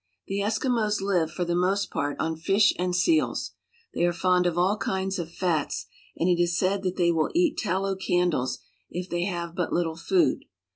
The Eskimos live, for the most part, on fish and seals. They are fond of all kinds of fats, and it is said that they will eat tallow candles if they have but little food.